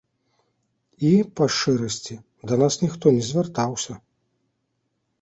І, па шчырасці, да нас ніхто не звяртаўся.